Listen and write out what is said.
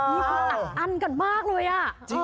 นี่พวกเราหลักอันกันมากเลย